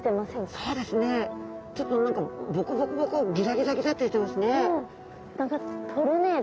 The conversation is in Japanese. そうですねちょっとボコボコボコギザギザギザってしてますね。